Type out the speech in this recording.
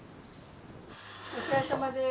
お世話さまです。